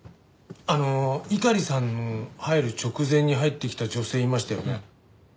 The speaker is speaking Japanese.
あの猪狩さんの入る直前に入ってきた女性いましたよね？